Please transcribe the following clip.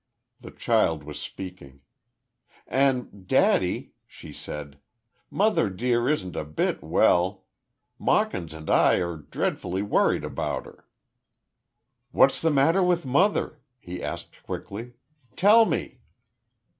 The child was speaking: "And, daddy," she said, "mother dear isn't a bit well. Mawkins and I are dreadfully worried about her." "What's the matter with mother?" he asked, quickly. "Tell me!"